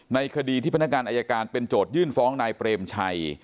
ในคดีที่พนักงานอายการเป็นโจทยื่นฟ้องนายเปรมชัย